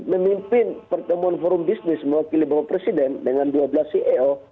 memimpin pertemuan forum bisnis mewakili bapak presiden dengan dua belas ceo